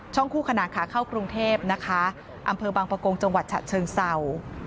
คู่ขนานขาเข้ากรุงเทพนะคะอำเภอบางประกงจังหวัดฉะเชิงเศร้า